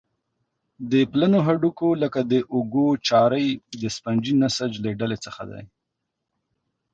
د پلنو هډوکو لکه د اوږو چارۍ د سفنجي نسج له ډلې څخه دي.